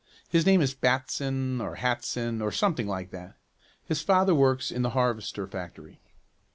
His name is Batson, or Hatson, or something like that. His father works in the harvester factory."